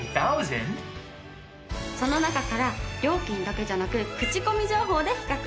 その中から料金だけじゃなく口コミ情報で比較。